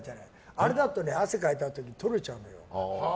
あれだと汗かいたあとに取れちゃうんだよ。